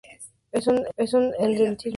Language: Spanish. Es un endemismo de Borneo.